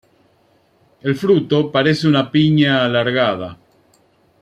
El fruto parece una piña alargada.